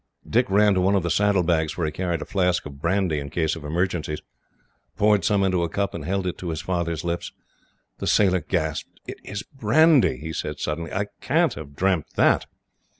Dick ran to one of the saddlebags, where he carried a flask of brandy in case of emergencies, poured some into a cup, and held it to his father's lips. The sailor gasped. "It is brandy," he said suddenly. "I can't have dreamt that."